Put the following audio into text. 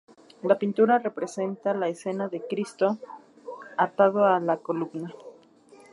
La pintura representa la escena de Cristo atado a la columna.